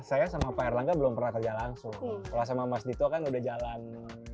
saya sama pak erlangga belum pernah kerja langsung kalau sama mas dito kan udah jalan